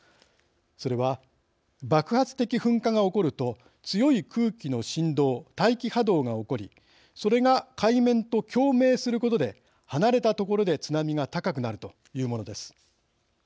それは、爆発的噴火が起こると強い空気の振動大気波動が起こりそれが海面と共鳴することで離れた所で津波が高くなるというものです。